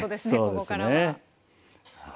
ここからは。